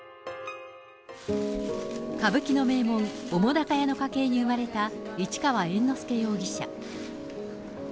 歌舞伎の名門、澤瀉屋の家系に生まれた市川猿之助容疑者。